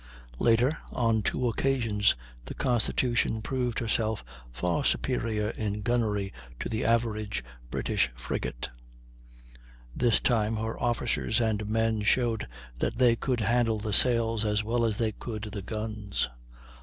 Later, on two occasions, the Constitution proved herself far superior in gunnery to the average British frigate; this time her officers and men showed that they could handle the sails as well as they could the guns.